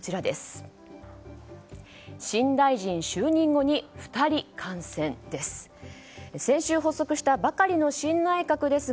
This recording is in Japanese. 新大臣就任後に２人感染です。